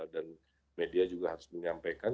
dan media juga harus menyampaikan